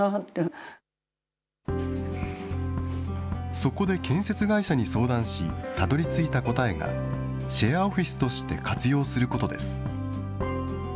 そこで建設会社に相談し、たどりついた答えがシェアオフィスとして活用することです。